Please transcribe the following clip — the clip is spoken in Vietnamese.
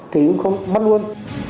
thì cũng không mất luôn